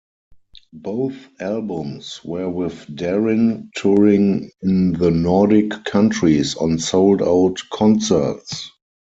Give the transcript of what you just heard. Both albums were with Darin touring in the Nordic countries, on sold out concerts.